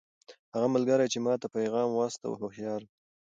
هغه ملګری چې ما ته یې پیغام واستاوه هوښیار دی.